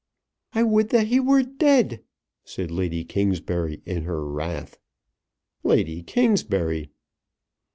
"I would that he were dead," said Lady Kingsbury in her wrath. "Lady Kingsbury!"